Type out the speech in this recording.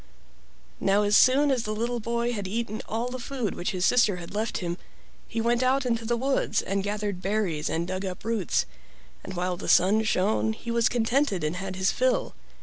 Now as soon as the little boy had eaten all the food which his sister had left him, he went out into the woods and gathered berries and dug up roots, and while the sun shone he was contented and had his fill.